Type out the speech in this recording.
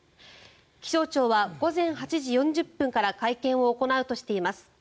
気象庁は午前８時４０分から会見を行うとしています。